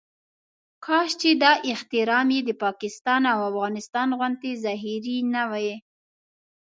کاش چې دا احترام یې د پاکستان او افغانستان غوندې ظاهري نه وي.